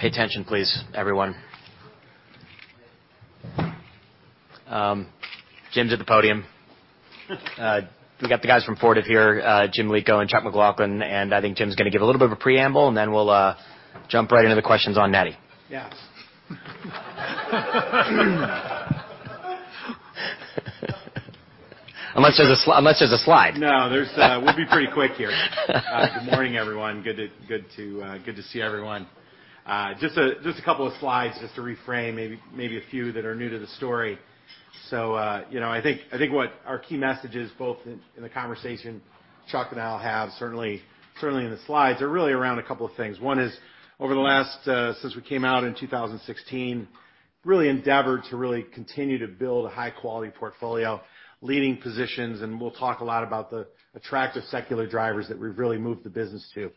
Pay attention, please, everyone. Jim's at the podium. We got the guys from Fortive here, Jim Lico and Chuck McLaughlin. I think Jim's gonna give a little bit of a preamble, and then we'll jump right into the questions on NATI. Yeah. Unless there's a slide. No, there's, we'll be pretty quick here. Good morning, everyone. Good to see everyone. Just a couple of slides just to reframe, maybe a few that are new to the story. You know, I think what our key message is, both in the conversation Chuck and I'll have, certainly in the slides, are really around a couple of things. One is, over the last since we came out in 2016, endeavored to continue to build a high-quality portfolio, leading positions, and we'll talk a lot about the attractive secular drivers that we've moved the business to,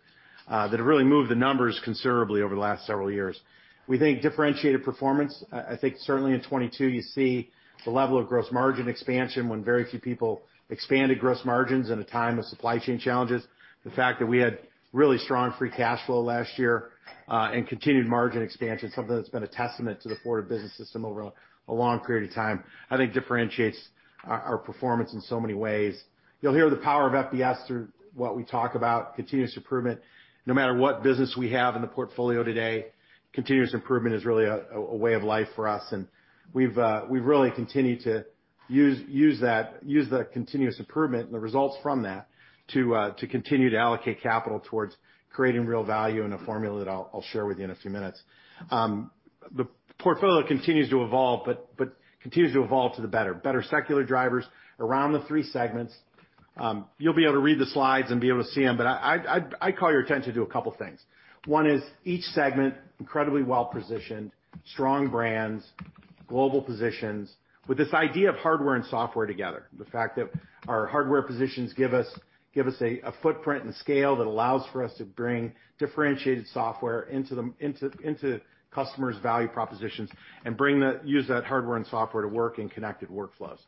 that have moved the numbers considerably over the last several years. We think differentiated performance, I think certainly in 2022 you see the level of gross margin expansion when very few people expanded gross margins in a time of supply chain challenges. The fact that we had really strong free cash flow last year, and continued margin expansion, something that's been a testament to the Fortive Business System over a long period of time, I think differentiates our performance in so many ways. You'll hear the power of FBS through what we talk about, continuous improvement. No matter what business we have in the portfolio today, continuous improvement is really a way of life for us, and we've really continued to use that, use the continuous improvement and the results from that to continue to allocate capital towards creating real value in a formula that I'll share with you in a few minutes. The portfolio continues to evolve, but continues to evolve to the better. Better secular drivers around the three segments. You'll be able to read the slides and be able to see them, but I'd call your attention to a couple things. One is each segment, incredibly well-positioned, strong brands, global positions, with this idea of hardware and software together, the fact that our hardware positions give us a footprint and scale that allows for us to bring differentiated software into customers' value propositions and use that hardware and software to work in connected workflows.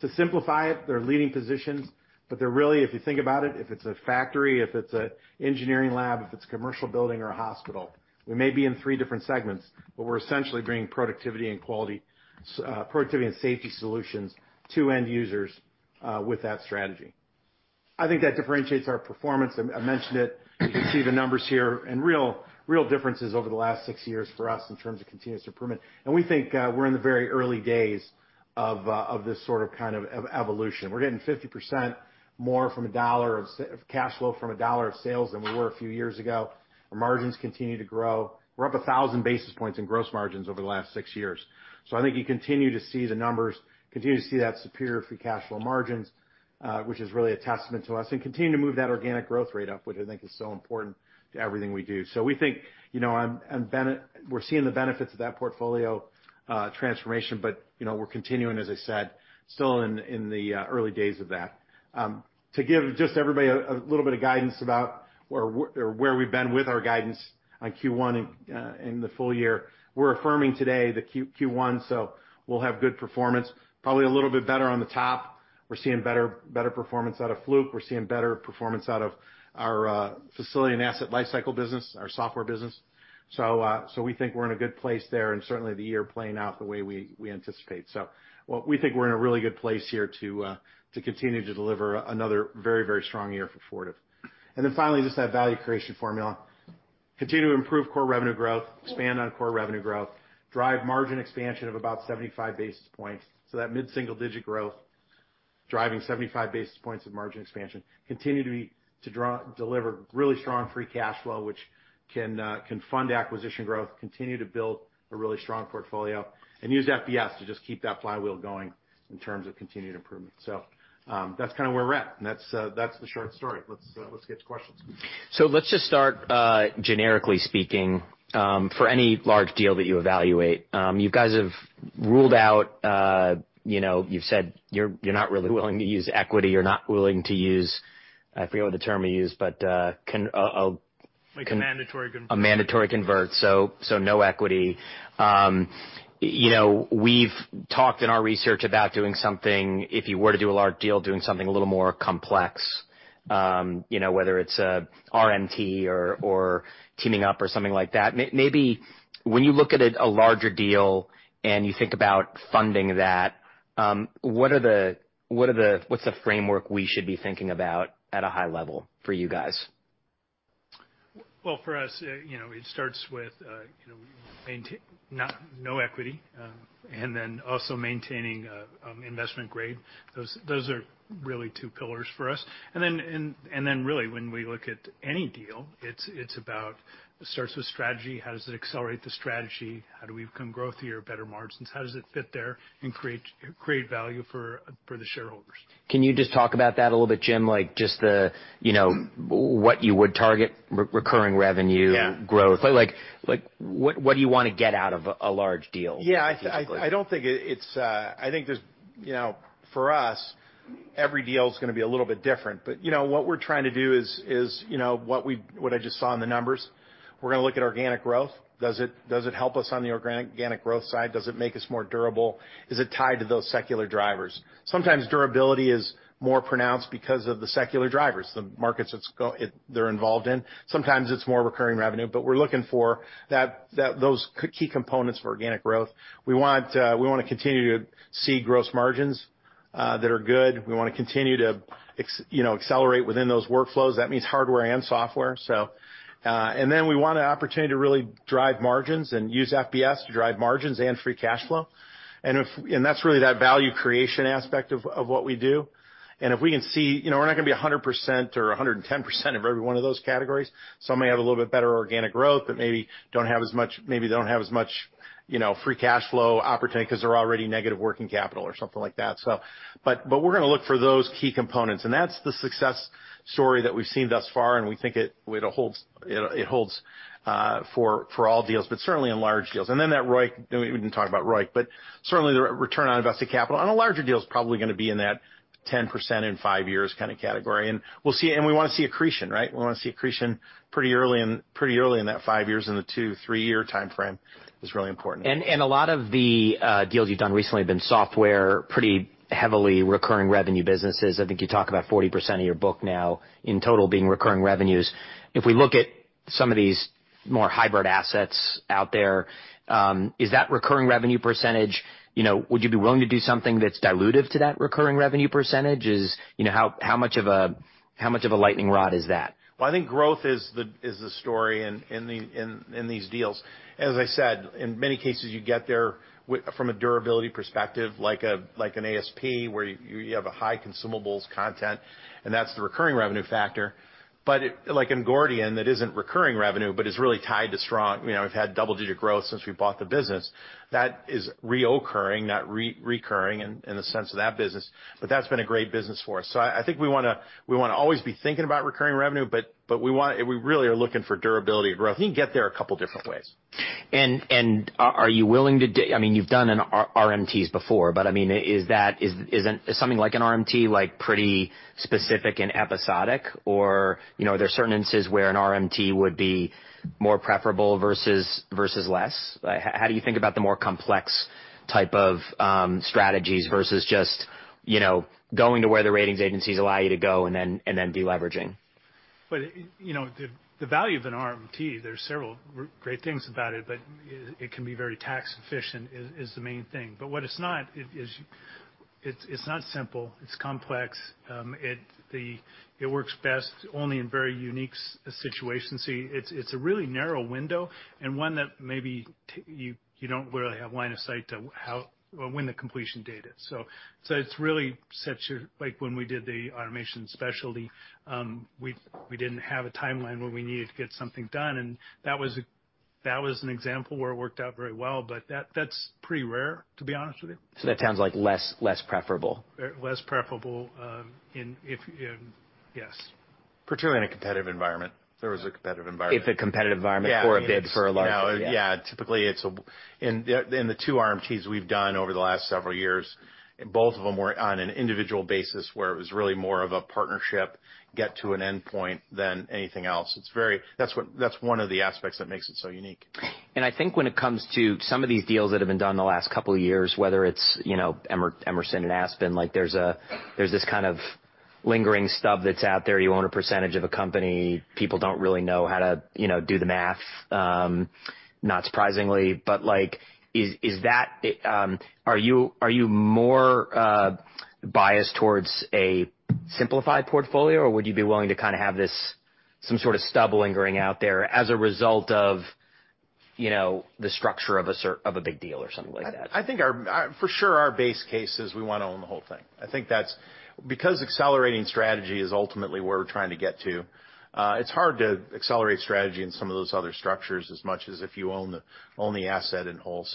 To simplify it, they're leading positions, but they're really, if you think about it, if it's a factory, if it's a engineering lab, if it's a commercial building or a hospital, we may be in three different segments, but we're essentially bringing productivity and safety solutions to end users with that strategy. I think that differentiates our performance. I mentioned it. You can see the numbers here and real differences over the last six years for us in terms of continuous improvement. We think we're in the very early days of this sort of, kind of evolution. We're getting 50% more from $1 of cash flow from $1 of sales than we were a few years ago. Our margins continue to grow. We're up 1,000 basis points in gross margins over the last six years. I think you continue to see the numbers, continue to see that superior free cash flow margins, which is really a testament to us, and continue to move that organic growth rate up, which I think is so important to everything we do. We think, you know, and we're seeing the benefits of that portfolio transformation, you know, we're continuing, as I said, still in the early days of that. To give just everybody a little bit of guidance about where we've been with our guidance on Q1 and the full year, we're affirming today the Q1. We'll have good performance, probably a little bit better on the top. We're seeing better performance out of Fluke. We're seeing better performance out of our Facility and Asset Lifecycle business, our software business. We think we're in a good place there, and certainly the year playing out the way we anticipate. What we think we're in a really good place here to continue to deliver another very, very strong year for Fortive. Finally, just that value creation formula. Continue to improve core revenue growth, expand on core revenue growth, drive margin expansion of about 75 basis points. That mid-single-digit growth, driving 75 basis points of margin expansion. Continue to deliver really strong free cash flow, which can fund acquisition growth, continue to build a really strong portfolio, and use FBS to just keep that flywheel going in terms of continued improvement. That's kinda where we're at, and that's the short story. Let's get to questions. Let's just start, generically speaking, for any large deal that you evaluate, you guys have ruled out, you know, you've said you're not really willing to use equity, you're not willing to use, I forget what the term you used, but. Like a mandatory convert. A mandatory convert. No equity. You know, we've talked in our research about doing something, if you were to do a large deal, doing something a little more complex, you know, whether it's a RMT or teaming up or something like that. Maybe when you look at a larger deal and you think about funding that, what are the, what's the framework we should be thinking about at a high level for you guys? Well, for us, you know, it starts with, you know, not, no equity, and then also maintaining investment grade. Those are really two pillars for us. Really when we look at any deal, it's about, it starts with strategy. How does it accelerate the strategy? How do we become growthier, better margins? How does it fit there and create value for the shareholders? Can you just talk about that a little bit, Jim? Like, just the, you know, what you would target recurring revenue growth. Like, what do you wanna get out of a large deal, basically? Yeah. I don't think it's. I think there's, you know, for us, every deal is gonna be a little bit different. You know, what we're trying to do is, you know, what I just saw in the numbers. We're gonna look at organic growth. Does it help us on the organic growth side? Does it make us more durable? Is it tied to those secular drivers? Sometimes durability is more pronounced because of the secular drivers, the markets they're involved in. Sometimes it's more recurring revenue, but we're looking for those key components for organic growth. We want, we wanna continue to see gross margins that are good. We wanna continue to you know, accelerate within those workflows. That means hardware and software, so. Then we want an opportunity to really drive margins and use FBS to drive margins and free cash flow. That's really that value creation aspect of what we do. If we can see, you know, we're not gonna be 100% or 110% of every one of those categories. Some may have a little bit better organic growth, but maybe they don't have as much, you know, free cash flow opportunity 'cause they're already negative working capital or something like that, so. We're gonna look for those key components, and that's the success story that we've seen thus far, and we think it holds, it holds for all deals, but certainly in large deals. That ROIC, we didn't talk about ROIC, but certainly the return on invested capital on a larger deal is probably gonna be in that 10% in five years kinda category. We wanna see accretion, right? We wanna see accretion pretty early in that five years in the two, three-year timeframe is really important. A lot of the deals you've done recently have been software, pretty heavily recurring revenue businesses. I think you talk about 40% of your book now in total being recurring revenues. If we look at some of these more hybrid assets out there, is that recurring revenue percentage? You know, would you be willing to do something that's dilutive to that recurring revenue percentage? You know, how much of a lightning rod is that? Well, I think growth is the story in these deals. As I said, in many cases, you get there from a durability perspective, like an ASP, where you have a high consumables content, and that's the recurring revenue factor. Like in Gordian, that isn't recurring revenue, but is really tied to strong. You know, we've had double-digit growth since we bought the business. That is reoccurring, not re-recurring in the sense of that business. That's been a great business for us. I think we wanna always be thinking about recurring revenue, but we really are looking for durability of growth. You can get there a couple different ways. Are you willing to I mean, you've done an RMTs before, but, I mean, is that, is something like an RMT, like, pretty specific and episodic? Or, you know, are there certain instances where an RMT would be more preferable versus less? How do you think about the more complex type of strategies versus just, you know, going to where the ratings agencies allow you to go and then deleveraging? You know, the value of an RMT, there's several great things about it, but it can be very tax efficient is the main thing. What it's not is it's not simple. It's complex. It works best only in very unique situations. See, it's a really narrow window and one that maybe you don't really have line of sight to how or when the completion date is. It's really like when we did the Automation & Specialty, we didn't have a timeline when we needed to get something done, and that was an example where it worked out very well. That's pretty rare, to be honest with you. That sounds like less, less preferable. Less preferable, in if. Yes. Particularly in a competitive environment. If there was a competitive environment. If a competitive environment for a bid for a large. Yeah. Typically, in the two RMTs we've done over the last several years, both of them were on an individual basis where it was really more of a partnership, get to an endpoint than anything else. That's one of the aspects that makes it so unique. I think when it comes to some of these deals that have been done in the last couple of years, whether it's, you know, Emerson and AspenTech, like there's this kind of lingering stub that's out there. You own a percentage of a company. People don't really know how to, you know, do the math, not surprisingly. Like, is that, are you more biased towards a simplified portfolio, or would you be willing to kinda have this some sort of stub lingering out there as a result of, you know, the structure of a big deal or something like that? For sure, our base case is we wanna own the whole thing. I think that's. Because accelerating strategy is ultimately where we're trying to get to, it's hard to accelerate strategy in some of those other structures as much as if you own the asset in whole.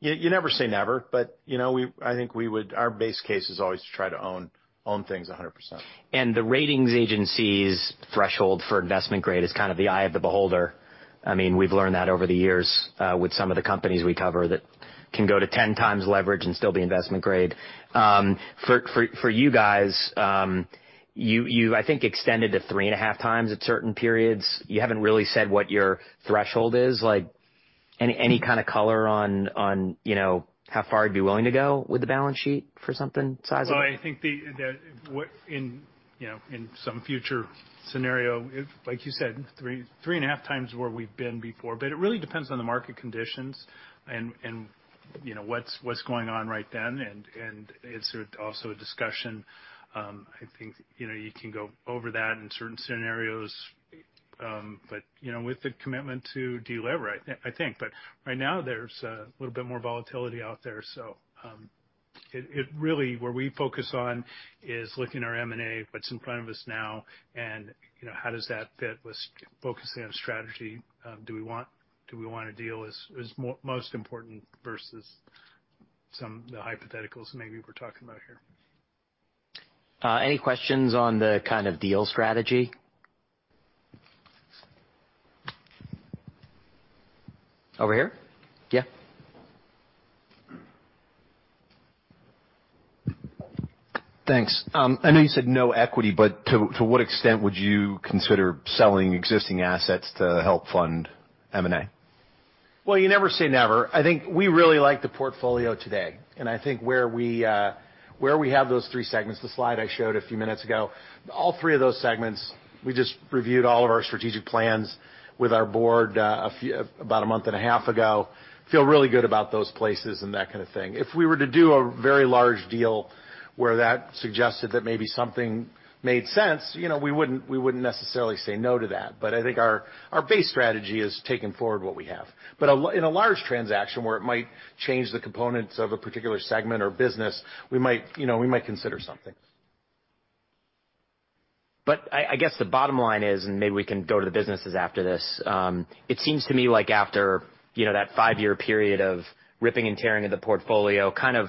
You never say never, but, you know, Our base case is always to try to own things 100%. The ratings agency's threshold for investment grade is kind of the eye of the beholder. I mean, we've learned that over the years, with some of the companies we cover that can go to 10x leverage and still be investment grade. For you guys, you, I think, extended to 3.5x at certain periods. You haven't really said what your threshold is. Like, any kind of color on, you know, how far you'd be willing to go with the balance sheet for something sizable? Well, I think the, you know, in some future scenario, if, like you said, 3.5x where we've been before. It really depends on the market conditions and, you know, what's going on right then. It's also a discussion, I think, you know, you can go over that in certain scenarios. You know, with the commitment to delever, I think. Right now there's a little bit more volatility out there. It really, where we focus on is looking at our M&A, what's in front of us now, and, you know, how does that fit with focusing on strategy? Do we want to deal is most important versus some, the hypotheticals maybe we're talking about here. Any questions on the kind of deal strategy? Over here? Yeah. Thanks. I know you said no equity, but to what extent would you consider selling existing assets to help fund M&A? Well, you never say never. I think we really like the portfolio today, and I think where we have those three segments, the slide I showed a few minutes ago, all three of those segments, we just reviewed all of our strategic plans with our board, about a month and a half ago. Feel really good about those places and that kind of thing. If we were to do a very large deal where that suggested that maybe something made sense, you know, we wouldn't necessarily say no to that. I think our base strategy is taking forward what we have. In a large transaction where it might change the components of a particular segment or business, we might, you know, we might consider something. I guess the bottom line is, and maybe we can go to the businesses after this, it seems to me like after, you know, that five-year period of ripping and tearing of the portfolio, kind of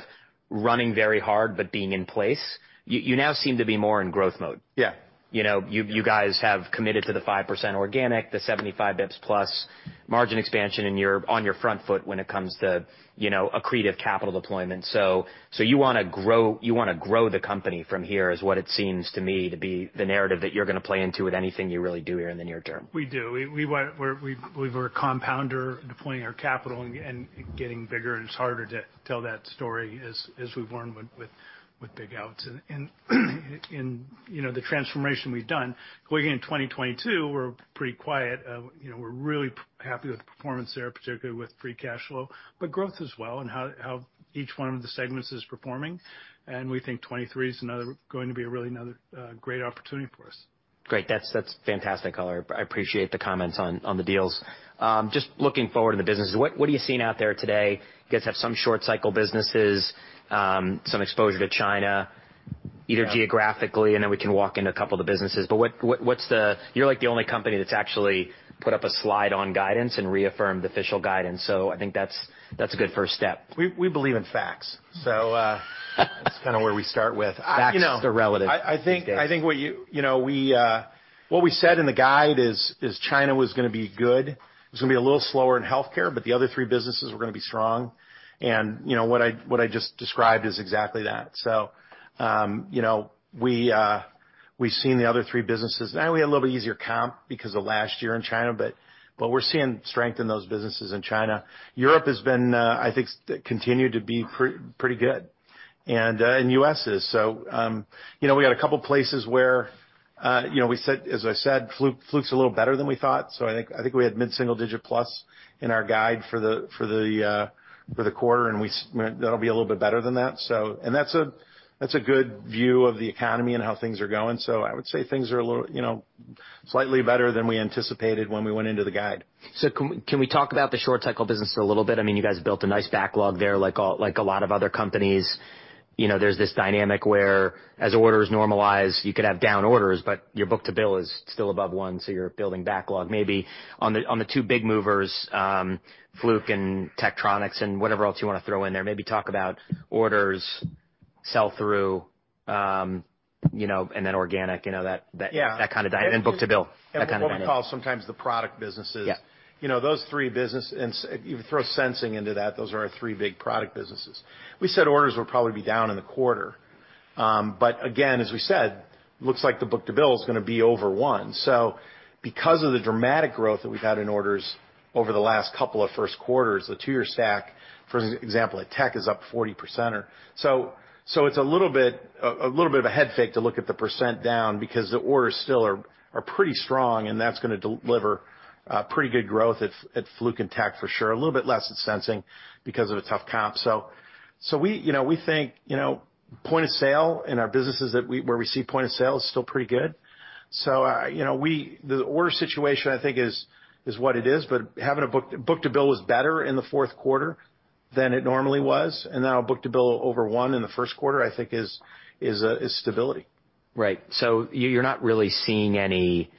running very hard, but being in place, you now seem to be more in growth mode. Yeah. You know, you guys have committed to the 5% organic, the 75 basis points plus margin expansion, and you're on your front foot when it comes to, you know, accretive capital deployment. You wanna grow the company from here, is what it seems to me to be the narrative that you're gonna play into with anything you really do here in the near term. We do. We're a compounder deploying our capital and getting bigger, and it's harder to tell that story as we've learned with big outs. You know, the transformation we've done, going into 2022, we're pretty quiet. You know, we're really happy with the performance there, particularly with free cash flow, but growth as well and how each one of the segments is performing. We think 2023 is going to be a really another great opportunity for us. Great. That's fantastic, Tyler. I appreciate the comments on the deals. Just looking forward to the business, what are you seeing out there today? You guys have some short cycle businesses, some exposure to China, either geographically, and then we can walk into a couple of the businesses. You're like the only company that's actually put up a slide on guidance and reaffirmed official guidance. I think that's a good first step. We believe in facts. That's kinda where we start with. Facts are relative these days. You know, I think what we said in the guide is China was gonna be good. It was gonna be a little slower in healthcare, but the other three businesses were gonna be strong. You know, what I just described is exactly that. You know, we've seen the other three businesses. We had a little bit easier comp because of last year in China, but we're seeing strength in those businesses in China. Europe has been I think continued to be pretty good, and US is. You know, we got a couple places where, you know, as I said, Fluke's a little better than we thought, so I think we had mid-single digit plus in our guide for the quarter, and that'll be a little bit better than that. That's a good view of the economy and how things are going. I would say things are a little, you know, slightly better than we anticipated when we went into the guide. Can we talk about the short cycle business a little bit? I mean, you guys built a nice backlog there, like a lot of other companies. You know, there's this dynamic where as orders normalize, you could have down orders, but your book to bill is still above 1, so you're building backlog. Maybe on the, on the two big movers, Fluke and Tektronix and whatever else you wanna throw in there, maybe talk about orders, sell through, you know, and then organic, you know. Yeah. Book to bill. That kind of dynamic. What we call sometimes the product businesses. Yeah. You know, those three business, and if you throw Sensing into that, those are our three big product businesses. But again, as we said, looks like the book to bill is gonna be over one. Because of the dramatic growth that we've had in orders over the last couple of first quarters, the two-year stack, for example, at Tek, is up 40%. So it's a little bit, a little bit of a head fake to look at the percent down because the orders still are pretty strong, and that's gonna deliver pretty good growth at Fluke and Tek for sure. A little bit less at Sensing because of a tough comp. We, you know, we think, you know, point of sale in our businesses where we see point of sale is still pretty good. You know, the order situation, I think is what it is, but having a book to bill is better in the fourth quarter than it normally was. Now book to bill over one in the first quarter, I think is stability. Right. You're not really seeing any,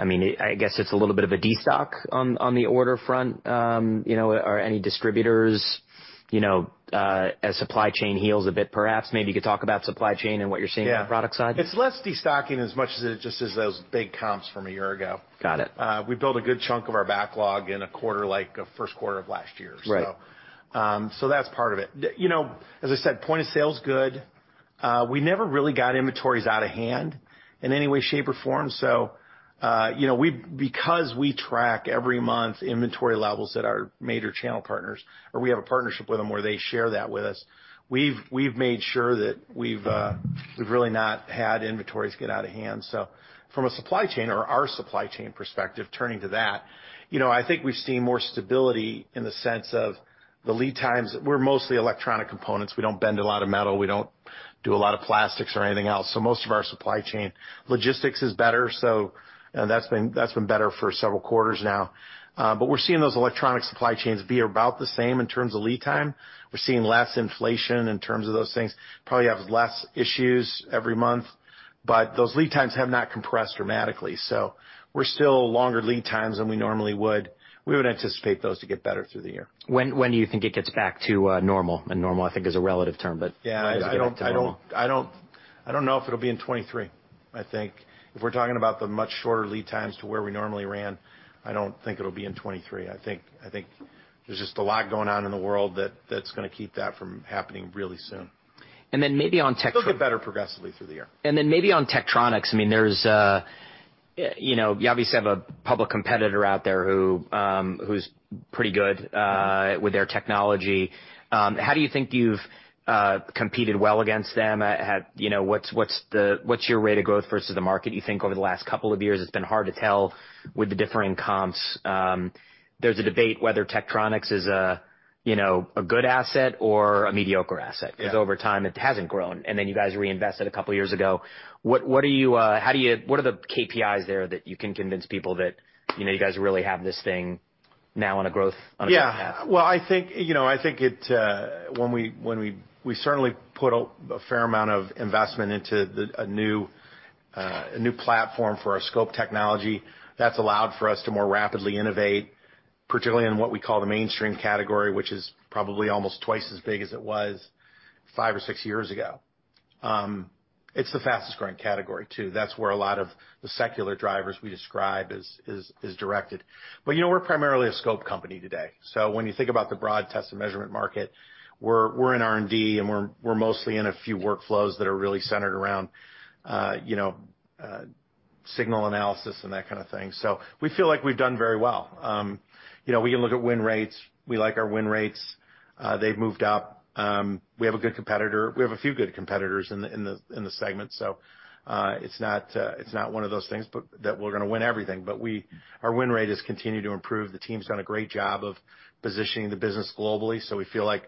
I mean, I guess it's a little bit of a destock on the order front, you know, or any distributors, you know, as supply chain heals a bit, perhaps. Maybe you could talk about supply chain and what you're seeing. Yeah. On the product side. It's less destocking as much as it just is those big comps from a year ago. Got it. We built a good chunk of our backlog in a quarter like, first quarter of last year. Right. That's part of it. You know, as I said, point of sale is good. We never really got inventories out of hand in any way, shape, or form. You know, because we track every month inventory levels at our major channel partners, or we have a partnership with them where they share that with us, we've made sure that we've really not had inventories get out of hand. From a supply chain or our supply chain perspective, turning to that, you know, I think we've seen more stability in the sense of the lead times. We're mostly electronic components. We don't bend a lot of metal. We don't do a lot of plastics or anything else. Most of our supply chain logistics is better. That's been better for several quarters now. We're seeing those electronic supply chains be about the same in terms of lead time. We're seeing less inflation in terms of those things. Probably have less issues every month, but those lead times have not compressed dramatically. We're still longer lead times than we normally would. We would anticipate those to get better through the year. When do you think it gets back to normal? Normal, I think, is a relative term. Yeah. When does it get back to normal? I don't know if it'll be in 2023. I think if we're talking about the much shorter lead times to where we normally ran, I don't think it'll be in 2023. I think there's just a lot going on in the world that's gonna keep that from happening really soon. Maybe on Tektronix. It'll get better progressively through the year. Maybe on Tektronix, I mean, you know, you obviously have a public competitor out there who's pretty good with their technology. How do you think you've competed well against them? You know, what's the what's your rate of growth versus the market, you think, over the last couple of years? It's been hard to tell with the differing comps. There's a debate whether Tektronix is a, you know, a good asset or a mediocre asset. Yeah. 'Cause over time, it hasn't grown, and then you guys reinvested a couple of years ago. What are the KPIs there that you can convince people that, you know, you guys really have this thing now on a growth path? Yeah. Well, I think, you know, I think it, we certainly put a fair amount of investment into a new platform for our scope technology. That's allowed for us to more rapidly innovate, particularly in what we call the mainstream category, which is probably almost twice as big as it was five or six years ago. It's the fastest-growing category, too. That's where a lot of the secular drivers we describe is directed. You know, we're primarily a scope company today. When you think about the broad test and measurement market, we're in R&D, and we're mostly in a few workflows that are really centered around, you know, signal analysis and that kind of thing. We feel like we've done very well. You know, we can look at win rates. We like our win rates. They've moved up. We have a good competitor. We have a few good competitors in the segment, so it's not it's not one of those things that we're gonna win everything. Our win rate has continued to improve. The team's done a great job of positioning the business globally. We feel like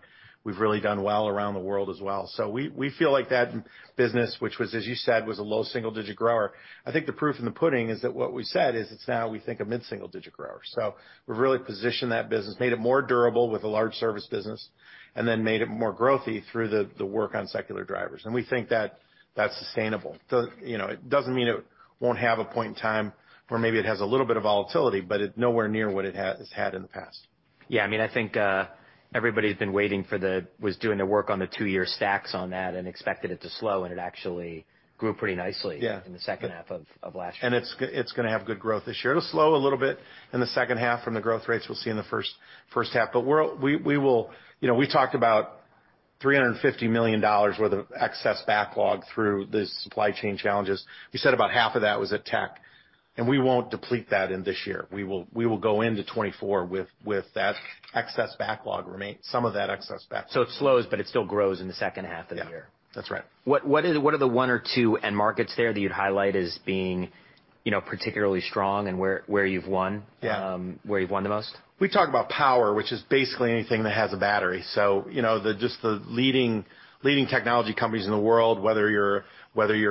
we've really done well around the world as well. We feel like that business, which was, as you said, was a low single-digit grower. I think the proof in the pudding is that what we said is it's now, we think, a mid-single digit grower. We've really positioned that business, made it more durable with a large service business, and then made it more growthy through the work on secular drivers. We think that that's sustainable. You know, it doesn't mean it won't have a point in time where maybe it has a little bit of volatility, but it's nowhere near what it has had in the past. I mean, I think, everybody's been waiting for was doing the work on the two-year stacks on that and expected it to slow, and it actually grew pretty nicely. Yeah In the second half of last year. It's gonna have good growth this year. It'll slow a little bit in the second half from the growth rates we'll see in the first half. We will. You know, we talked about $350 million worth of excess backlog through the supply chain challenges. We said about half of that was at Tek, and we won't deplete that in this year. We will go into 2024 with that excess backlog some of that excess backlog. It slows, but it still grows in the second half of the year. Yeah. That's right. What are the one or two end markets there that you'd highlight as being, you know, particularly strong and where you've won. Yeah Where you've won the most? We talk about power, which is basically anything that has a battery. you know, just the leading technology companies in the world, whether you're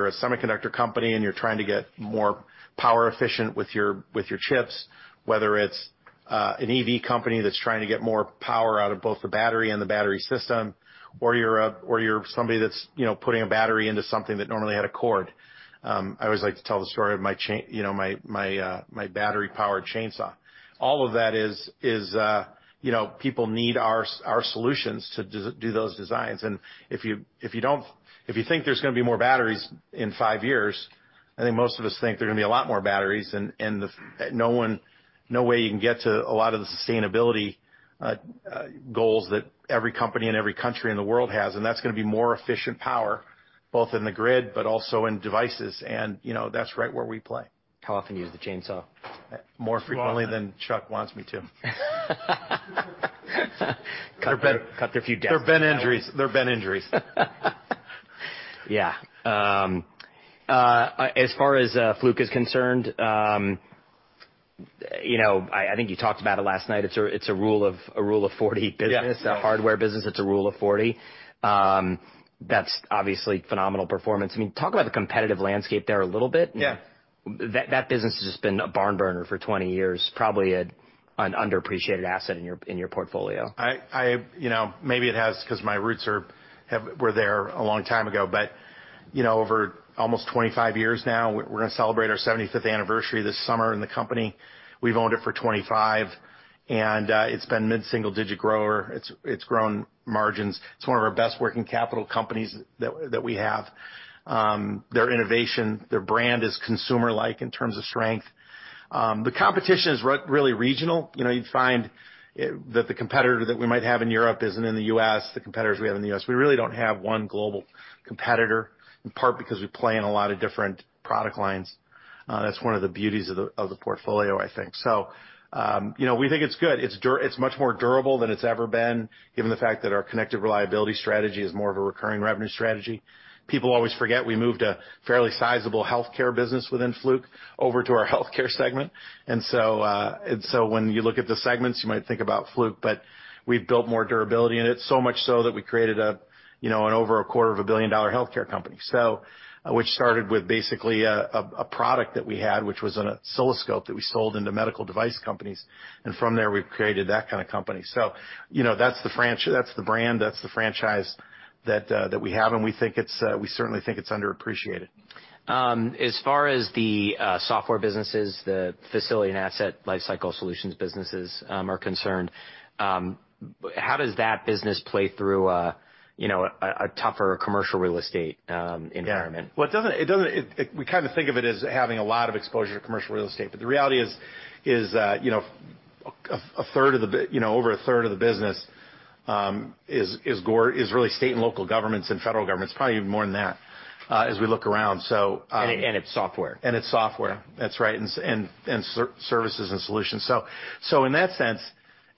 a semiconductor company and you're trying to get more power efficient with your chips, whether it's an EV company that's trying to get more power out of both the battery and the battery system, or you're somebody that's, you know, putting a battery into something that normally had a cord. I always like to tell the story of my chain, you know, my battery-powered chainsaw. All of that is, you know, people need our solutions to do those designs. If you, if you don't if you think there's gonna be more batteries in five years, I think most of us think there are gonna be a lot more batteries, and no one no way you can get to a lot of the sustainability goals that every company in every country in the world has, and that's gonna be more efficient power, both in the grid, but also in devices. You know, that's right where we play. How often do you use the chainsaw? More frequently than Chuck wants me to. Cut a few decks. There have been injuries. Yeah. As far as Fluke is concerned, you know, I think you talked about it last night. It's a rule of, a rule of forty business. Yeah. A hardware business, that's a rule of forty. That's obviously phenomenal performance. I mean, talk about the competitive landscape there a little bit. Yeah. That business has just been a barn burner for 20 years, probably an underappreciated asset in your portfolio. I You know, maybe it has 'cause my roots were there a long time ago. You know, over almost 25 years now, we're gonna celebrate our 75th anniversary this summer in the company. We've owned it for 25, and it's been mid-single-digit grower. It's grown margins. It's one of our best working capital companies that we have. Their innovation, their brand is consumer-like in terms of strength. The competition is really regional. You know, you'd find that the competitor that we might have in Europe isn't in the U.S., the competitors we have in the U.S. We really don't have one global competitor, in part because we play in a lot of different product lines. That's one of the beauties of the portfolio, I think. You know, we think it's good. It's much more durable than it's ever been, given the fact that our connected reliability strategy is more of a recurring revenue strategy. People always forget we moved a fairly sizable healthcare business within Fluke over to our healthcare segment. When you look at the segments, you might think about Fluke, but we've built more durability in it, so much so that we created a, you know, an over a quarter of a billion-dollar healthcare company. Which started with basically a product that we had, which was an oscilloscope that we sold into medical device companies. From there, we've created that kind of company. You know, that's the brand, that's the franchise that we have, and we think it's, we certainly think it's underappreciated. As far as the software businesses, the Facility and Asset Lifecycle solutions businesses, are concerned, how does that business play through, you know, a tougher commercial real estate environment? Well, it doesn't. We kinda think of it as having a lot of exposure to commercial real estate, but the reality is, you know, over a third of the business, is Gordian is really state and local governments and federal governments, probably even more than that, as we look around. It's software. It's software. Yeah. That's right. Services and solutions. In that sense,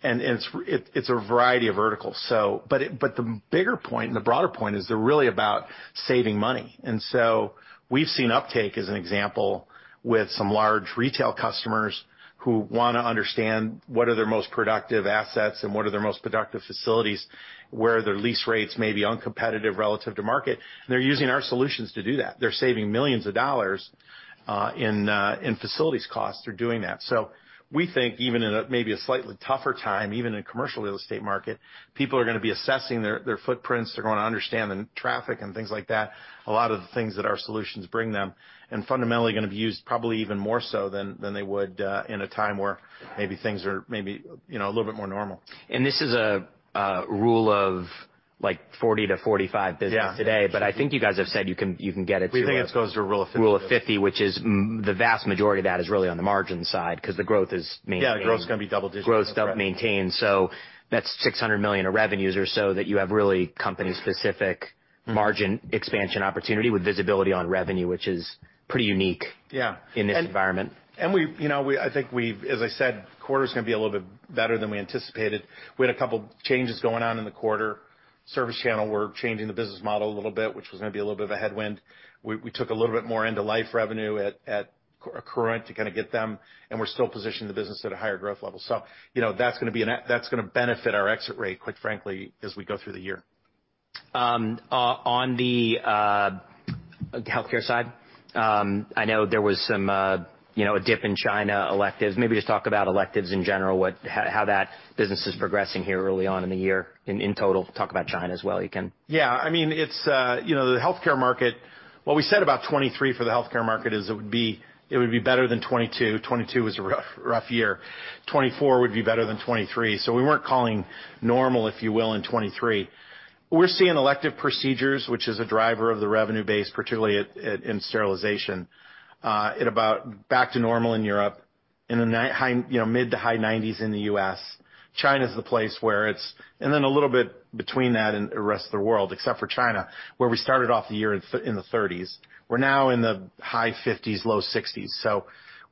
and it's a variety of verticals. The bigger point and the broader point is they're really about saving money. We've seen uptake as an example with some large retail customers who wanna understand what are their most productive assets and what are their most productive facilities, where their lease rates may be uncompetitive relative to market. They're using our solutions to do that. They're saving millions of dollars in facilities costs through doing that. We think even in a, maybe a slightly tougher time, even in a commercial real estate market, people are gonna be assessing their footprints. They're gonna understand the traffic and things like that, a lot of the things that our solutions bring them, and fundamentally gonna be used probably even more so than they would in a time where maybe things are, you know, a little bit more normal. This is a Rule of like 40-45 business today. Yeah. I think you guys have said you can get it. We think it goes to a Rule of 50. Rule of 50, which is the vast majority of that is really on the margin side 'cause the growth is maintained. Yeah, growth's gonna be double digits. Growth is maintained. That's $600 million of revenues or so that you have really company-specific margin expansion opportunity with visibility on revenue, which is pretty unique. Yeah In this environment. As I said, quarter's gonna be a little bit better than we anticipated. We had a couple changes going on in the quarter. ServiceChannel, we're changing the business model a little bit, which was gonna be a little bit of a headwind. We took a little bit more end-of-life revenue at Accruent to kinda get them, and we're still positioning the business at a higher growth level. That's gonna benefit our exit rate, quite frankly, as we go through the year. On the healthcare side, I know there was some, you know, a dip in China electives. Maybe just talk about electives in general, how that business is progressing here early on in the year in total. Talk about China as well, if you can. Yeah. I mean, it's, you know, the healthcare market, what we said about 2023 for the healthcare market is it would be, it would be better than 2022. 2022 was a rough year. 2024 would be better than 2023. We weren't calling normal, if you will, in 2023. We're seeing elective procedures, which is a driver of the revenue base, particularly in sterilization, at about back to normal in Europe, in the high, you know, mid to high 90s in the U.S. China's the place where it's a little bit between that and the rest of the world, except for China, where we started off the year in the 30s. We're now in the high 50s, low 60s.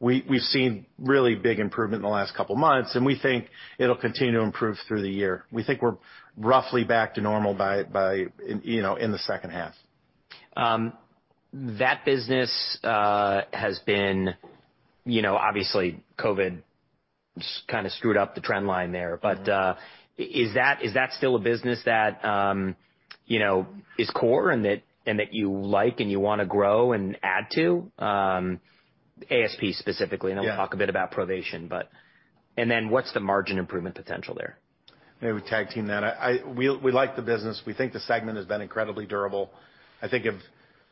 We've seen really big improvement in the last couple months, and we think it'll continue to improve through the year. We think we're roughly back to normal by, you know, in the second half. That business has been, you know, obviously COVID kinda screwed up the trend line there. Is that still a business that, you know, is core and that you like and you wanna grow and add to, ASP specifically? Yeah. We'll talk a bit about Provation. What's the margin improvement potential there? Maybe we tag team that. We like the business. We think the segment has been incredibly durable. I think if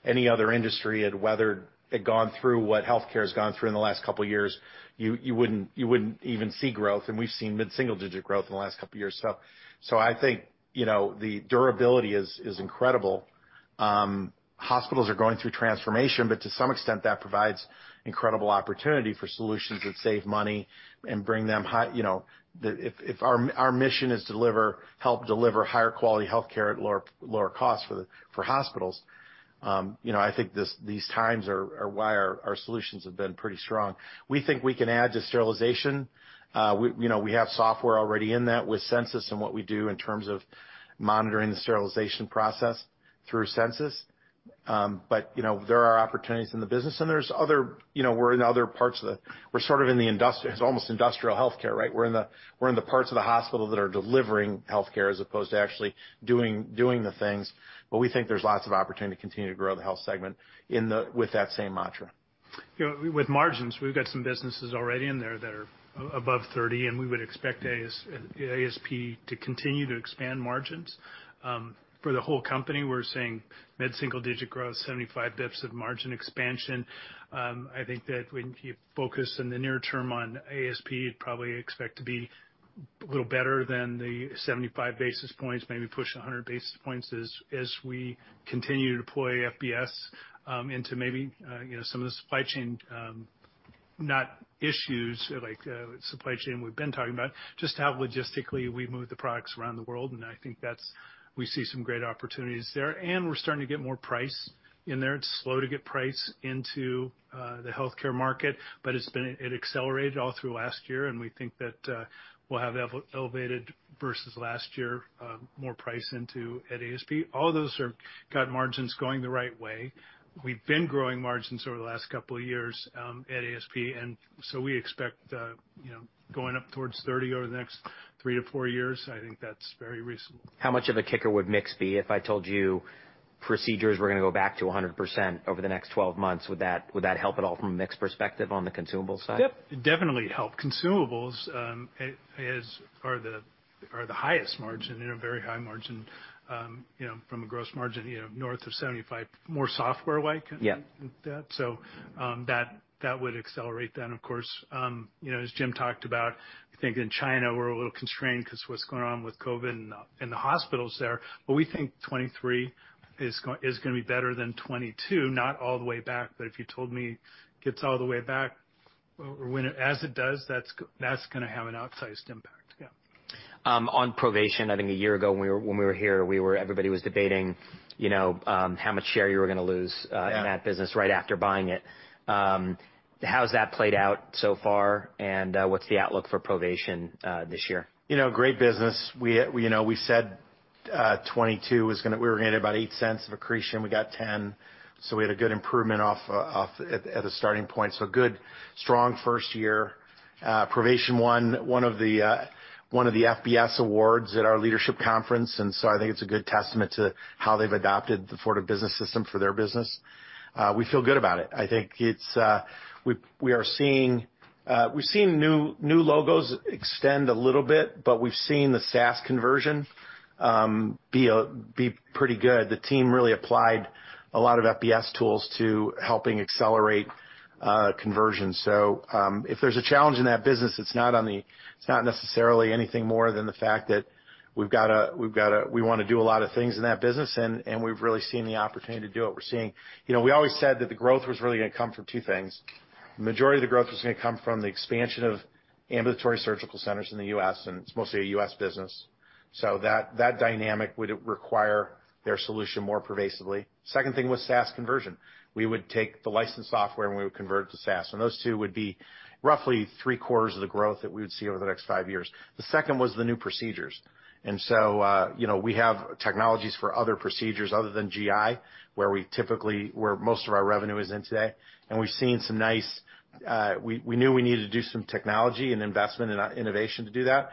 any other industry had weathered, had gone through what healthcare has gone through in the last two years, you wouldn't even see growth. We've seen mid-single digit growth in the last two years. I think, you know, the durability is incredible. Hospitals are going through transformation, but to some extent, that provides incredible opportunity for solutions that save money and bring them high, you know. If our mission is help deliver higher quality healthcare at lower costs for hospitals, you know, I think these times are why our solutions have been pretty strong. We think we can add to sterilization. We, you know, we have software already in that with Censis and what we do in terms of monitoring the sterilization process through Censis. You know, there are opportunities in the business and there's other, you know, we're in other parts of the, we're sort of in the It's almost industrial healthcare, right? We're in the parts of the hospital that are delivering healthcare as opposed to actually doing the things. We think there's lots of opportunity to continue to grow the health segment in the-- with that same mantra. You know, with margins, we've got some businesses already in there that are above 30%, and we would expect ASP to continue to expand margins. For the whole company, we're seeing mid-single digit growth, 75 bips of margin expansion. I think that when you focus in the near term on ASP, you'd probably expect to be a little better than the 75 basis points, maybe push 100 basis points as we continue to deploy FBS into maybe, you know, some of the supply chain, not issues like supply chain we've been talking about, just how logistically we move the products around the world. We see some great opportunities there, and we're starting to get more price in there. It's slow to get price into the healthcare market. It accelerated all through last year. We think that we'll have elevated versus last year, more price into at ASP. Got margins going the right way. We've been growing margins over the last couple of years at ASP. We expect, you know, going up towards 30% over the next three to four years. I think that's very reasonable. How much of a kicker would mix be? If I told you procedures were gonna go back to 100% over the next 12 months, would that help at all from a mix perspective on the consumable side? Yep, it'd definitely help. Consumables are the highest margin. They're a very high margin, you know, from a gross margin, you know, north of 75%, more software-like. Yeah That would accelerate then, of course. You know, as Jim talked about, I think in China, we're a little constrained 'cause what's going on with COVID and the hospitals there. We think 2023 is gonna be better than 2022, not all the way back. If you told me gets all the way back When as it does, that's gonna have an outsized impact, yeah. On Provation, I think a year ago when we were here, everybody was debating, you know, how much share you were gonna lose. Yeah In that business right after buying it. How has that played out so far, and what's the outlook for Provation this year? You know, great business. We, you know, we said 2022 was gonna hit about $0.08 of accretion. We got $0.10. We had a good improvement off at a starting point. Good, strong first year. Provation won one of the FBS awards at our leadership conference. I think it's a good testament to how they've adopted the Fortive Business System for their business. We feel good about it. I think it's. We are seeing, we've seen new logos extend a little bit, but we've seen the SaaS conversion be pretty good. The team really applied a lot of FBS tools to helping accelerate conversion. If there's a challenge in that business, it's not necessarily anything more than the fact that we wanna do a lot of things in that business, and we've really seen the opportunity to do it. We're seeing, you know, we always said that the growth was really gonna come from two things. The majority of the growth was gonna come from the expansion of ambulatory surgical centers in the U.S., and it's mostly a U.S. business. That dynamic would require their solution more pervasively. Second thing was SaaS conversion. We would take the licensed software, and we would convert it to SaaS. Those two would be roughly 3/4 of the growth that we would see over the next five years. The second was the new procedures. You know, we have technologies for other procedures other than GI, where most of our revenue is in today. We've seen some nice. We knew we needed to do some technology and investment and innovation to do that.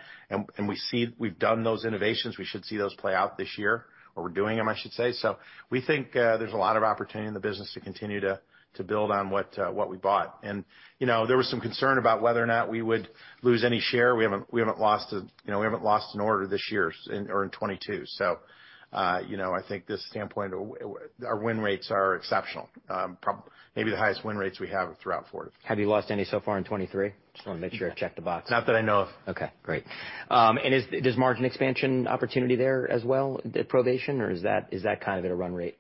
We see we've done those innovations. We should see those play out this year, or we're doing them, I should say. We think, there's a lot of opportunity in the business to continue to build on what we bought. You know, there was some concern about whether or not we would lose any share. We haven't lost a, you know, we haven't lost an order this year in or in 2022. You know, I think this standpoint, our win rates are exceptional, maybe the highest win rates we have throughout Fortive. Have you lost any so far in 2023? Just wanna make sure I check the box. Not that I know of. Okay, great. Does margin expansion opportunity there as well, the Provation, or is that kind of at a run rate?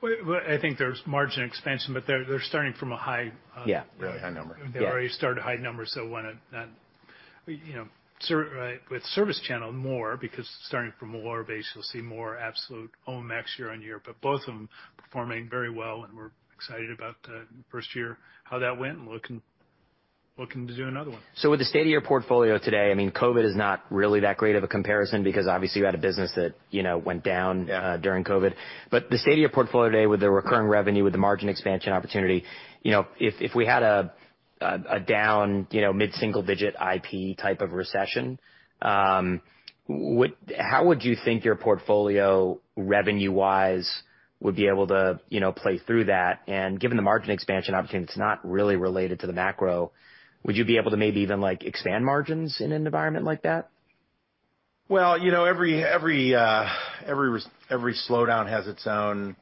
Well, I think there's margin expansion, but they're starting from a high. Yeah. Really high number. Yeah. They already start at high numbers, when it, you know. With ServiceChannel more because starting from a lower base, you'll see more absolute OpEx year-on-year. Both of them performing very well, and we're excited about first year, how that went, and looking to do another one. With the state of your portfolio today, I mean, COVID is not really that great of a comparison because obviously you had a business that, you know, went down during COVID. But the state of your portfolio today with the recurring revenue, with the margin expansion opportunity, you know, if we had a down, you know, mid-single digit IP type of recession, how would you think your portfolio revenue-wise would be able to, you know, play through that? And given the margin expansion opportunity, it's not really related to the macro, would you be able to maybe even, like, expand margins in an environment like that? Well, you know, every slowdown has its own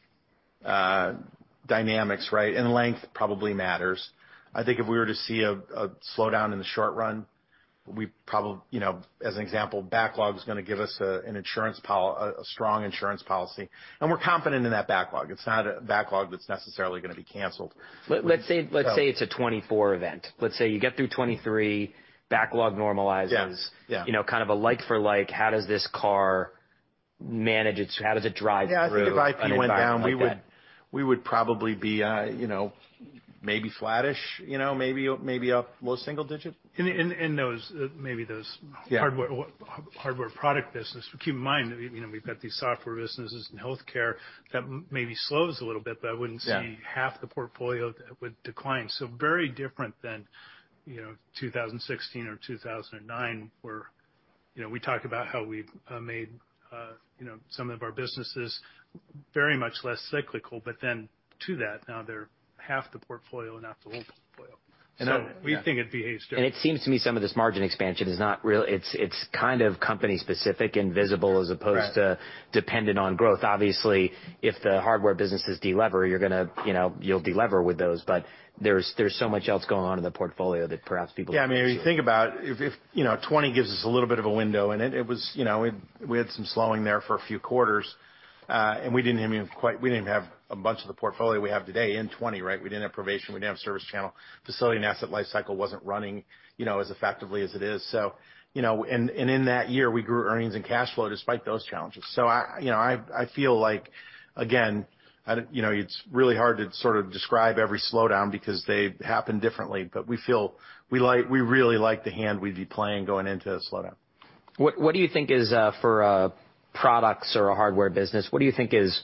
dynamics, right? Length probably matters. I think if we were to see a slowdown in the short run, we you know, as an example, backlog's gonna give us a strong insurance policy. We're confident in that backlog. It's not a backlog that's necessarily gonna be canceled. Let's say it's a 2024 event. Let's say you get through 2023, backlog normalizes. Yeah. Yeah. You know, kind of a like for like, how does this car manage. How does it drive through. Yeah, I think if IP went down. An environment like that? We would probably be, you know, maybe flattish, you know, maybe up low single digit. Yeah Hardware or hardware product business. Keep in mind, you know, we've got these software businesses in healthcare that maybe slows a little bit, but I wouldn't see half the portfolio that would decline. Very different than, you know, 2016 or 2009, where, you know, we talk about how we've made, you know, some of our businesses very much less cyclical. To that, now they're half the portfolio, not the whole portfolio. We think it behaves differently. It seems to me some of this margin expansion is not real. It's kind of company specific and visible as opposed to dependent on growth. Obviously, if the hardware businesses de-lever, you're gonna, you know, you'll de-lever with those. There's so much else going on in the portfolio that perhaps people don't appreciate. Yeah. I mean, if you think about if, you know, 2020 gives us a little bit of a window, and it was, you know. We had some slowing there for a few quarters, and we didn't have a bunch of the portfolio we have today in 2020, right? We didn't have Provation, we didn't have ServiceChannel. Facility and Asset Lifecycle wasn't running, you know, as effectively as it is. In that year, we grew earnings and cash flow despite those challenges. I, you know, I feel like, again, I don't, you know, it's really hard to sort of describe every slowdown because they happen differently. We like, we really like the hand we'd be playing going into a slowdown. What do you think is for products or a hardware business, what do you think is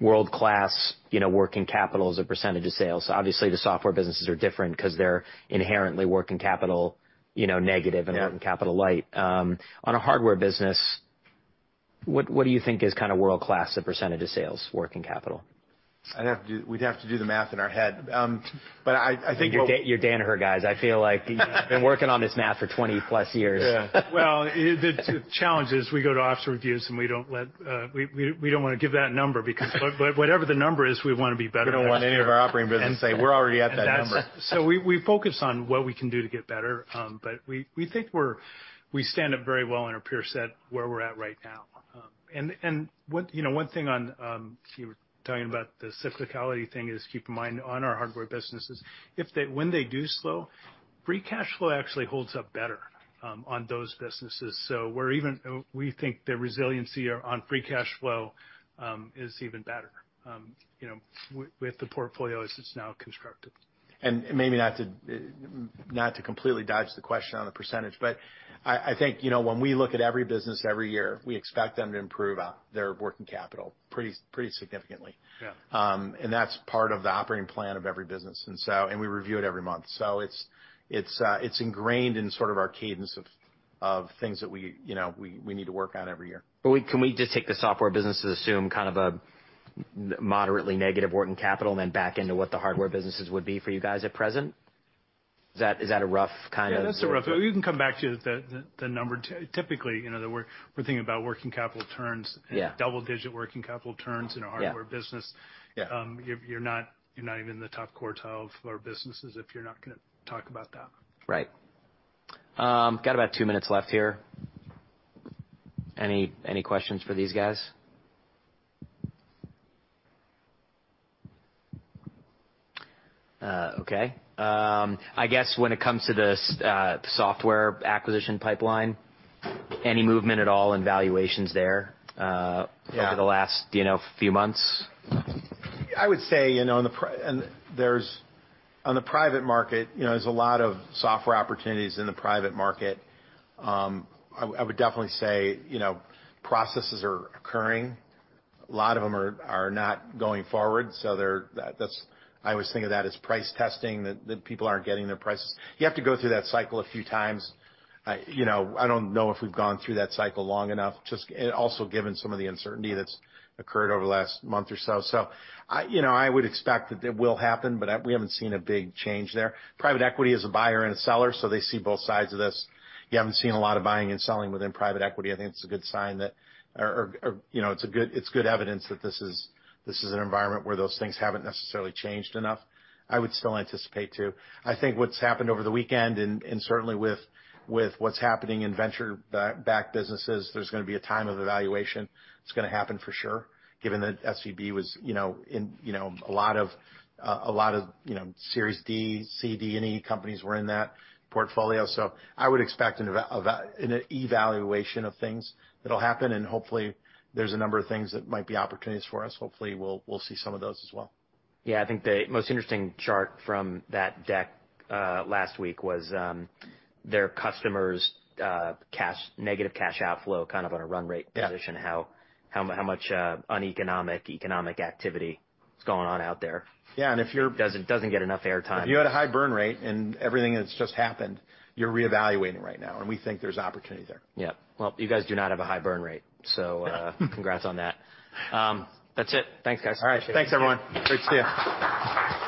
world-class, you know, working capital as a % of sales? Obviously, the software businesses are different 'cause they're inherently working capital, you know, negative and working capital light. On a hardware business, what do you think is kind of world-class, the percentage of sales working capital? We'd have to do the math in our head. I think. You're Danaher guys. I feel like, you've been working on this math for 20-plus years. Yeah. Well, the challenge is we go to officer reviews, and we don't let, we don't wanna give that number because whatever the number is, we wanna be better than that. We don't want any of our operating businesses to say, "We're already at that number. We focus on what we can do to get better, but we think we stand up very well in our peer set where we're at right now. One, you know, one thing on you were talking about the cyclicality thing is keep in mind on our hardware businesses, when they do slow, free cash flow actually holds up better on those businesses. We think the resiliency on free cash flow is even better, you know, with the portfolio as it's now constructed. Maybe not to not to completely dodge the question on the percentage, I think, you know, when we look at every business every year, we expect them to improve their working capital pretty significantly. Yeah. That's part of the operating plan of every business. We review it every month. It's ingrained in sort of our cadence of things that we, you know, we need to work on every year. Can we just take the software business to assume kind of a moderately negative working capital and then back into what the hardware businesses would be for you guys at present? Is that a rough kind of? Yeah, We can come back to the number. Typically, you know, the word we're thinking about working capital turns. Yeah. Double-digit working capital turns in our hardware business. Yeah. Yeah. You're not even in the top quartile for our businesses if you're not gonna talk about that. Right. Got about two minutes left here. Any questions for these guys? Okay. I guess when it comes to the software acquisition pipeline, any movement at all in valuations there? Yeah Over the last, you know, few months? I would say, you know, On the private market, you know, there's a lot of software opportunities in the private market. I would definitely say, you know, processes are occurring. A lot of them are not going forward, so that's I always think of that as price testing, that people aren't getting their prices. You have to go through that cycle a few times. I, you know, I don't know if we've gone through that cycle long enough, just, and also given some of the uncertainty that's occurred over the last month or so. I, you know, I would expect that it will happen, but we haven't seen a big change there. Private equity is a buyer and a seller, so they see both sides of this. You haven't seen a lot of buying and selling within private equity. I think it's a good sign that, you know, it's good evidence that this is, this is an environment where those things haven't necessarily changed enough. I would still anticipate to. I think what's happened over the weekend and certainly with what's happening in venture-backed businesses, there's gonna be a time of evaluation. It's gonna happen for sure, given that SVB was, you know, in, you know, a lot of, you know, Series D, C, D, and E companies were in that portfolio. I would expect an evaluation of things that'll happen, and hopefully there's a number of things that might be opportunities for us. Hopefully, we'll see some of those as well. Yeah. I think the most interesting chart from that deck, last week was, their customers', negative cash outflow, kind of on a run rate position. Yeah how much uneconomic economic activity is going on out there. Yeah, and if you're. It doesn't get enough airtime. If you had a high burn rate and everything that's just happened, you're reevaluating right now, and we think there's opportunity there. Yeah. Well, you guys do not have a high burn rate. Yeah. Congrats on that. That's it. Thanks, guys. All right. Thanks, everyone. Great to see you. You got it.